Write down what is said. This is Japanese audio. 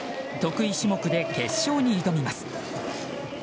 得意種目で決勝に挑みます。